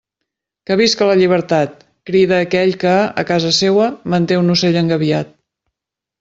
Que visca la llibertat, crida aquell que, a casa seua, manté un ocell engabiat.